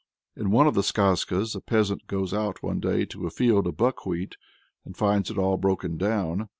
In one of the Skazkas, a peasant goes out one day to a field of buckwheat, and finds it all broken down.